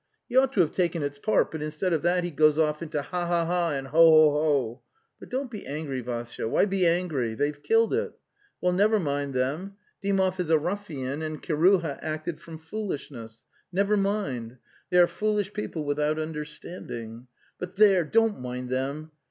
He ought to have taken its part, but instead of that, he goes ol into | Taa ha hal and)' Elotho holivy But don't be angry, Vassya. ... Why be angry? They've killed it — well, never mind them. Dymov is a rufian and Kiruha acted from foolishness — never mind. ... They are foolish people without understanding — but there, don't mind them.